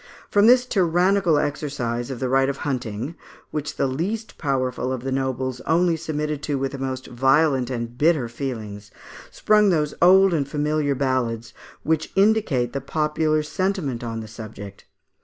From this tyrannical exercise of the right of hunting, which the least powerful of the nobles only submitted to with the most violent and bitter feelings, sprung those old and familiar ballads, which indicate the popular sentiment on the subject.